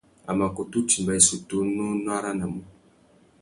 A mà kutu timba issutu unú nù aranamú.